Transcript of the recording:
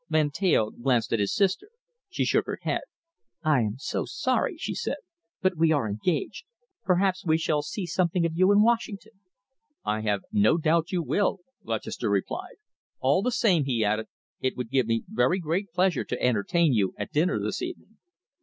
Van Teyl glanced at his sister. She shook her head. "I am so sorry," she said, "but we are engaged. Perhaps we shall see something of you in Washington." "I have no doubt you will," Lutchester replied "All the same," he added, "it would give me very great pleasure to entertain you at dinner this evening."